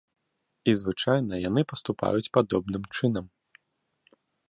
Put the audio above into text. І звычайна яны паступаюць падобным чынам.